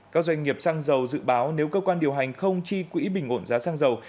các doanh nghiệp xăng dầu dự báo nếu cơ quan điều hành không chi quỹ bình ổn giá xăng dầu